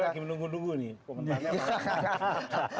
saya lagi menunggu nunggu nih